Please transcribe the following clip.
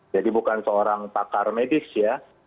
jadi bukan seorang pakar medis ya